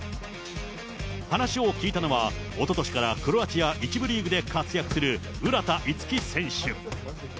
話を聞いたのは、おととしからクロアチア１部リーグで活躍する浦田樹選手。